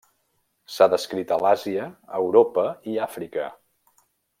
S'ha descrit a l'Àsia, Europa i Àfrica.